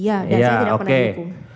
iya dan saya tidak pernah dukung